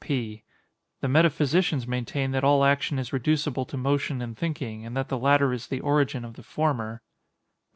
P. The metaphysicians maintain that all action is reducible to motion and thinking, and that the latter is the origin of the former.